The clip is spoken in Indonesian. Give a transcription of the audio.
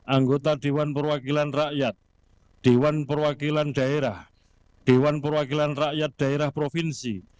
anggota dewan perwakilan rakyat dewan perwakilan daerah dewan perwakilan rakyat daerah provinsi